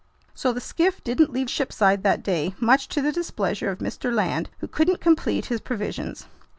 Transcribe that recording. So the skiff didn't leave shipside that day, much to the displeasure of Mr. Land who couldn't complete his provisions.